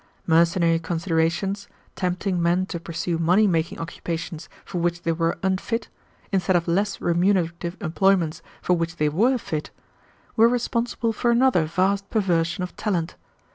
Mercenary considerations, tempting men to pursue money making occupations for which they were unfit, instead of less remunerative employments for which they were fit, were responsible for another vast perversion of talent.